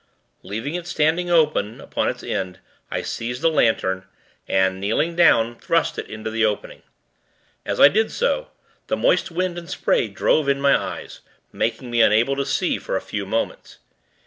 Leaving it standing upon its end, I seized the lantern, and, kneeling down, thrust it into the opening. As I did so, the moist wind and spray drove in my eyes, making me unable to see, for a few moments.